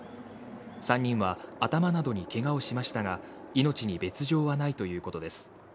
３人は頭などにけがをしましたが命に別状はないということです。